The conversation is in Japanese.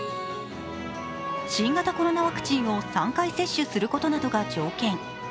新型コロナワクチンを３回接種することなどが条件。